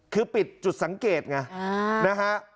คือปิดจุดสังเกตไงนะฮะ